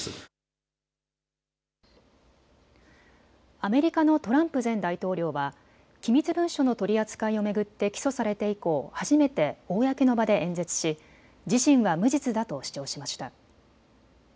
アメリカのトランプ前大統領は機密文書の取り扱いを巡って起訴されて以降、初めて公の場で演説し自身は無実だと主張しました。